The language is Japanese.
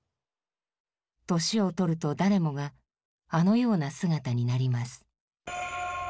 「年を取ると誰もがあのような姿になります」。